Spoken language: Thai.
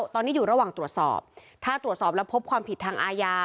ตอนนี้อยู่ระหว่างตรวจสอบถ้าตรวจสอบแล้วพบความผิดทางอาญา